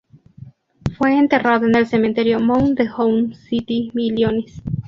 Fue enterrado en el Cementerio Mound de Hunt City, Illinois.